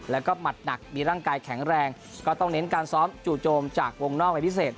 แล้วก็หมัดหนักมีร่างกายแข็งแรงก็ต้องเน้นการซ้อมจู่โจมจากวงนอกเป็นพิเศษ